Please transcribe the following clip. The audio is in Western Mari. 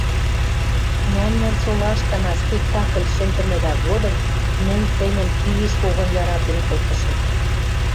«Мӓмнӓн солаштына спектакль шӹндӹмӹдӓ годым мӹнь тӹньӹм пи-иш когон яратен колтышым...